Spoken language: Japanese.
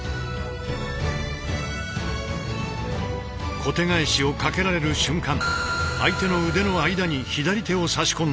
小手返しをかけられる瞬間相手の腕の間に左手を差し込んでいる。